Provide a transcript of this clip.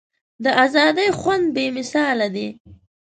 د ازادۍ خوند بې مثاله دی.